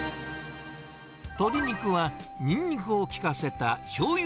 鶏肉はニンニクを効かせたしょうゆ